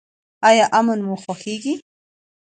ایا امن مو خوښیږي؟